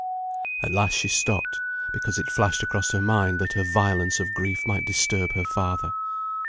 At last she stopped, because it flashed across her mind that her violence of grief might disturb her father.